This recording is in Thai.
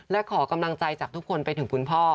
และขอกำลังใจจากทุกคนไปถึงคุณพ่อ